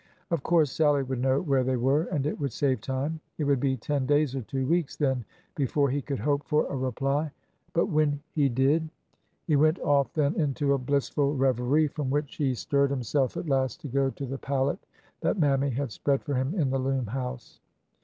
Of course Sallie would know where they were, and it would save time. It would be ten days or two weeks then before he could hope for a reply. But when he did — He went off then into a blissful reverie, from which he GORDON TAKES THE HELM 343 stirred himself at last to go to the pallet that Mammy had spread for him in the loom house.